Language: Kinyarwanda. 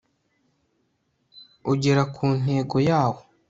ugera ku ntego yawo